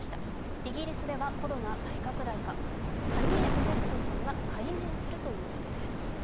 イギリスではコロナ再拡大か、カニエ・ウエストさんが改名するということです。